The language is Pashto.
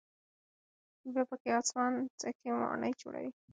بیا پکې آسمانڅکې ماڼۍ جوړوي.